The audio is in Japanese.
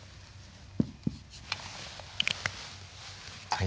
はい。